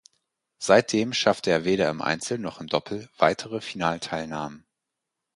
Seitdem schaffte er weder im Einzel noch im Doppel weitere Finalteilnahmen.